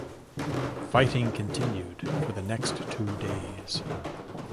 Fighting continued for the next two days.